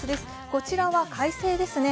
こちらは快晴ですね。